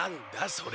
それ。